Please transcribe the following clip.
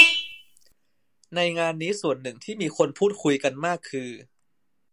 ในงานนี้ส่วนหนึ่งที่มีคนพูดคุยกันมากคือ